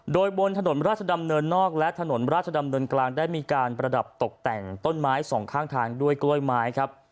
โดยบนถนนราชดำเนินนอกและถนนราชดำเนินกลางได้มีการประดับตกแต่งต้นไม้สองข้างทางด้วยกล้วยไม้ครับ